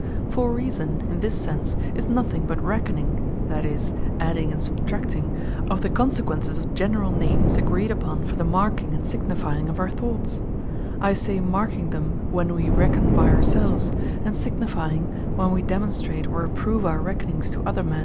For Reason, in this sense, is nothing but Reckoning (that is, Adding and Substracting) of the Consequences of generall names agreed upon, for the Marking and Signifying of our thoughts; I say Marking them, when we reckon by our selves; and Signifying, when we demonstrate, or approve our reckonings to other men.